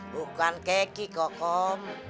bukan keki kokom